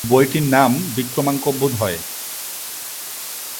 বইটির নাম "বিক্রমাঙ্কাভ্যুদয়"।